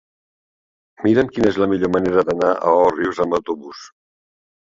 Mira'm quina és la millor manera d'anar a Òrrius amb autobús.